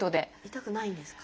痛くないんですか？